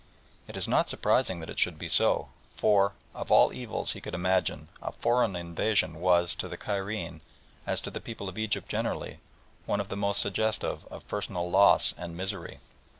It is not surprising that it should be so, for, of all evils he could imagine, a foreign invasion was, to the Cairene, as to the people of Egypt generally, the one most suggestive of personal loss and misery.